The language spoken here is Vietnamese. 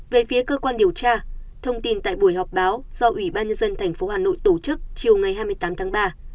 về phía cơ quan điều tra thông tin tại buổi họp báo do ủy ban nhân dân tp hà nội tổ chức chiều ngày hai mươi tám tháng ba